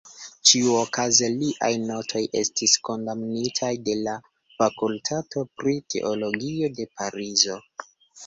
Ĉiuokaze, liaj notoj estis kondamnitaj de la Fakultato pri Teologio de Parizo.